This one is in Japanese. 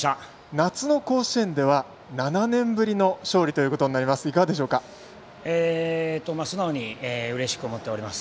夏の甲子園では７年ぶりの勝利となります。